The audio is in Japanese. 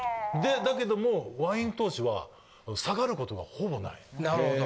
だけども、ワイン投資は下がることがほぼない。